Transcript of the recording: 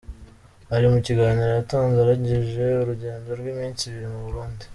Hari mu kiganiro yatanze araginje urugendo rw’iminsi ibiri mu Burundi.